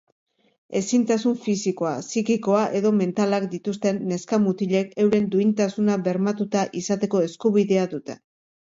Ezintasun fisikoa, psikikoa edo mentalak dituzten neska-mutilek euren duintasuna bermatuta izateko eskubidea dute.